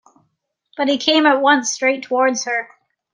But he came at once straight towards her.